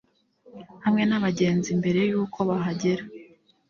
Hamwe n abagenzi mbere y uko bahagera